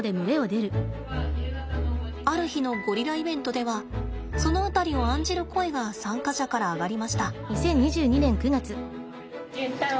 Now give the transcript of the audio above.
ある日のゴリライベントではその辺りを案じる声が参加者から上がりました。